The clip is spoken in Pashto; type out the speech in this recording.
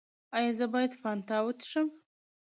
ایا زه باید فانټا وڅښم؟